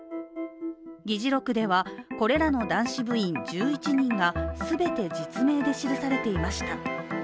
議事録ではこれらの男子部員１１人が全て実名で記されていました。